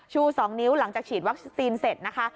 ชู๒นิ้วหลังจากฉีดวัคซีนเสร็จนะคะ